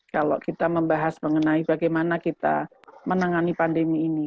kalau kita membahas mengenai bagaimana kita menangani pandemi ini